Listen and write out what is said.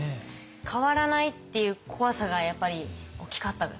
変わらないっていう怖さがやっぱり大きかったですかね。